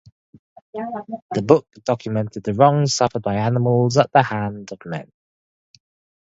The book documented the wrongs suffered by animals at the hand of man.